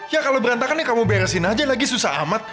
ya kalau berantakan ya kamu beresin aja lagi susah amat